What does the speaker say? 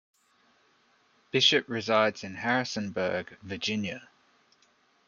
Bishop resides in Harrisonburg, Virginia.